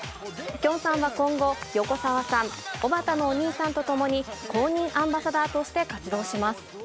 きょんさんは今後、横澤さん、おばたのお兄さんと共に、公認アンバサダーとして活動します。